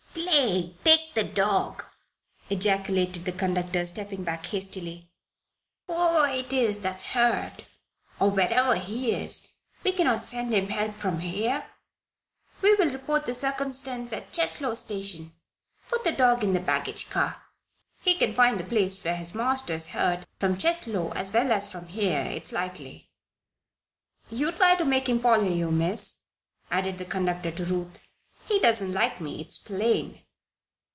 "Plague take the dog!" ejaculated the conductor, stepping back hastily. "Whoever it is that's hurt, or wherever he is, we cannot send him help from here. We'll report the circumstance at the Cheslow Station. Put the dog in the baggage car. He can find the place where his master is hurt, from Cheslow as well as from here, it's likely." "You try to make him follow you, Miss," added the conductor to Ruth. "He doesn't like me, it's plain."